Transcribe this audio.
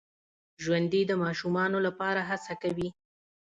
ژوندي د ماشومانو لپاره هڅه کوي